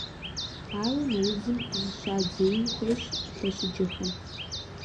Ауэ мы удзым зыщадзеин хуейщ лъэщыджэхэм.